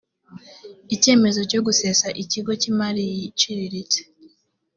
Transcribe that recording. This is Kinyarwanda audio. icyemezo cyo gusesa ikigo cy’imari iciriritse